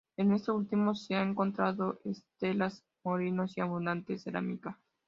En este último, se han encontrado estelas, molinos y abundante cerámica.